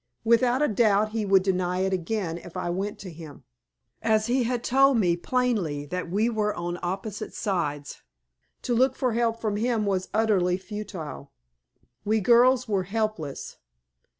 Without a doubt he would deny it again if I went to him. As he had told me plainly that we were on opposite sides, to look for help from him was utterly futile. We girls were helpless.